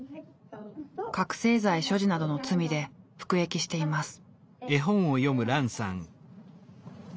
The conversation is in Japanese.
覚醒剤所持などの罪で服役しています。